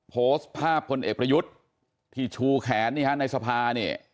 โพสต์ภาพคนเอกประยุทธ์ที่ชูแขนในสภา